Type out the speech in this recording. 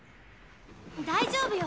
大丈夫よ